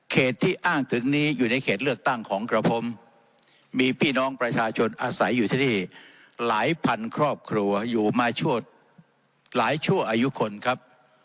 ที่อ้างถึงนี้อยู่ในเขตเลือกตั้งของกระผมมีพี่น้องประชาชนอาศัยอยู่ที่นี่หลายพันครอบครัวอยู่มาชั่วหลายชั่วอายุคนครับ